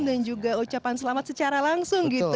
dan juga ucapan selamat secara langsung